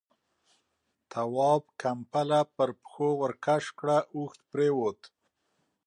تواب ، کمپله پر پښو ورکش کړه، اوږد پرېووت.